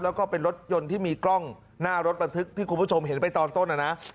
แล้วก็เป็นรถยนต์ที่มีกล้องหน้ารถบันทึกที่คุณผู้ชมเห็นไปตอนต้นนะนะ